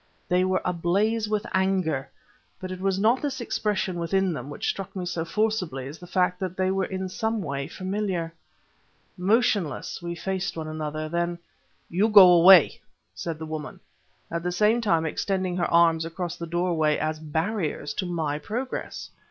They were ablaze with anger but it was not this expression within them which struck me so forcibly as the fact that they were in some way familiar. Motionless, we faced one another. Then "You go away," said the woman at the same time extending her arms across the doorway as barriers to my progress.